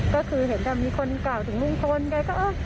ก็คือเห็นแต่มีคนกล่าวถึงลุงพลแกก็เออ